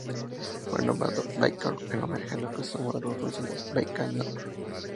Fue nombrado Baikonur en homenaje al cosmódromo ruso de Baikonur.